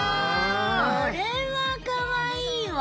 これはかわいいわ！